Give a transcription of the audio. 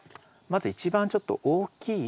まず一番ちょっと大きい。